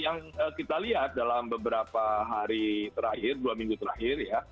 yang kita lihat dalam beberapa hari terakhir dua minggu terakhir ya